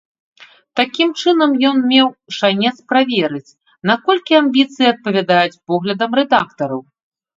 Такім чынам ён меў шанец праверыць, наколькі амбіцыі адпавядаюць поглядам рэдактараў.